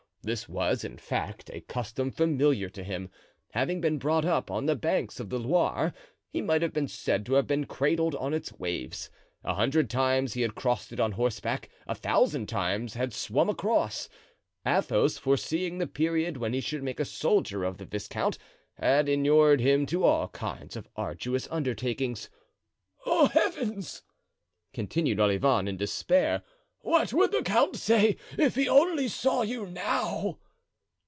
This was, in fact, a custom familiar to him. Having been brought up on the banks of the Loire, he might have been said to have been cradled on its waves; a hundred times he had crossed it on horseback, a thousand times had swum across. Athos, foreseeing the period when he should make a soldier of the viscount, had inured him to all kinds of arduous undertakings. "Oh, heavens!" continued Olivain, in despair, "what would the count say if he only saw you now!"